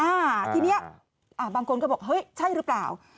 อ่าทีเนี้ยอ่าบางคนก็บอกเฮ้ยใช่หรือเปล่า